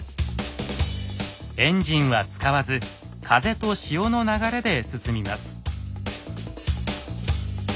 エンジンは使わず風と潮の流れで進みます。